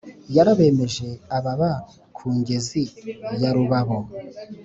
yarabemeje ababa ku ngezi ya rubabo